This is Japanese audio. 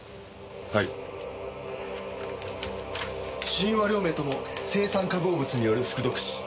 死因は両名とも青酸化合物による服毒死。